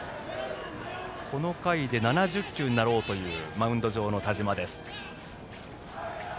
この回で７０球になろうというマウンド上の田嶋。